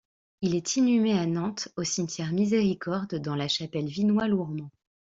Il est inhumé à Nantes au cimetière Miséricorde, dans la chapelle Vinoy-Lourmand.